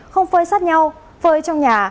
không phơi sát nhau phơi trong nhà